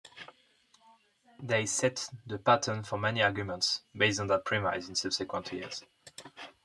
They set the pattern for many arguments based on that premise in subsequent years.